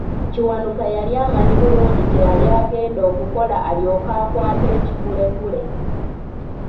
Kiwanuka yali amanyi bulungi kye yali agenda okukola alyoke akwate ekikulekule.